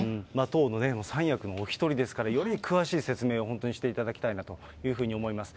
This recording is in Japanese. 党の三役のお一人ですから、より詳しい説明を、本当にしていただきたいなというふうに思います。